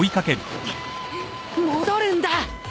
戻るんだ！